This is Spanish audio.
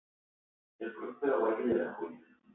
El próspero valle de La Joya.